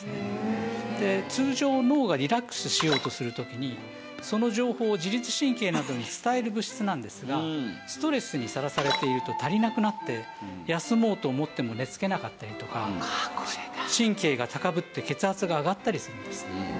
通常脳がリラックスしようとする時にその情報を自律神経などに伝える物質なんですがストレスにさらされていると足りなくなって休もうと思っても寝つけなかったりとか神経が高ぶって血圧が上がったりするんですね。